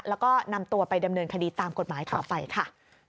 แล้วก็นำตัวไปดำเนินคดีตามกฎหมายต่อไปค่ะ